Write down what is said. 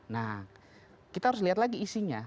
nah kita harus lihat lagi isinya